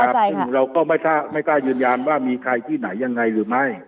ซึ่งเราก็ไม่กล้ายืนยันว่ามีใครที่ไหนยังไงหรือไม่